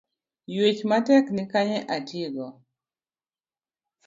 Yuech matek nikanye atigo?